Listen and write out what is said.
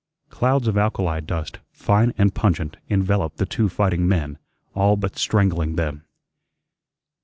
Clouds of alkali dust, fine and pungent, enveloped the two fighting men, all but strangling them.